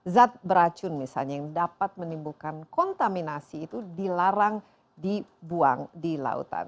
zat beracun misalnya yang dapat menimbulkan kontaminasi itu dilarang dibuang di lautan